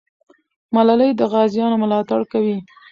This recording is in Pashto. ملالۍ د غازیانو ملاتړ کوي.